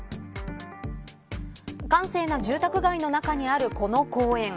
閑静な住宅街の中にあるこの公園